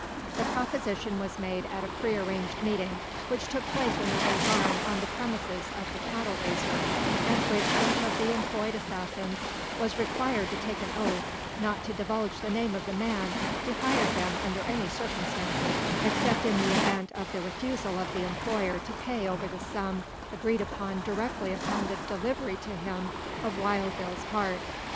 The proposition was made at a pre arranged meeting, which took place in an old barn on the premises of the cattle raiser, at which each of the employed assassins was required to take an oath not to divulge the name of the man who hired them under any circumstances, except in the event of the refusal of the employer to pay over the sum agreed upon directly upon the delivery to him of Wild Bill's heart.